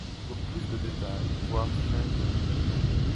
Pour plus de détails, voir Chaîne de Livigno.